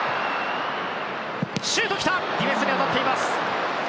シュート来たがディフェンスに当たっています。